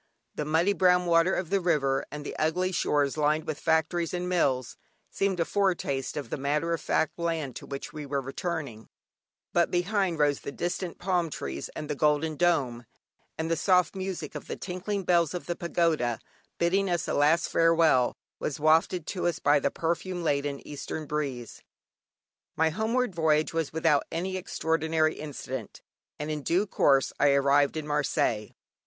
The muddy brown water of the river and the ugly shores lined with factories and mills, seemed a foretaste of the matter of fact land to which we were returning; but behind rose the distant palm trees, and the golden dome; and the soft music of the tinkling bells of the pagoda, bidding us a last farewell, was wafted to us by the perfume laden eastern breeze. My homeward voyage was without any extraordinary incident, and in due course I arrived at Marseilles.